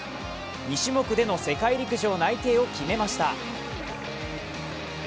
２種目での世界陸上内定を決めました。